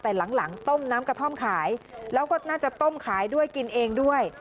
แต่หลังต้มน้ำกระท่อมขายแล้วก็น่าจะต้มขายด้วยกินเองด้วย